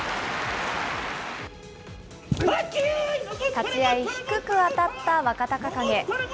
立ち合い、低く当たった若隆景。